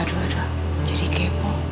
aduh jadi kepo